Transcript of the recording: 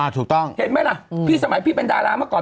ถูกต้องเห็นไหมล่ะพี่สมัยพี่เป็นดาราเมื่อก่อน